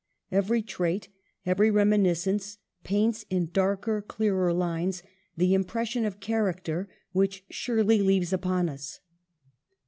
Every trait, every reminiscence, paints in darker, clearer lines, the impression of character which ' Shirley ' leaves upon us.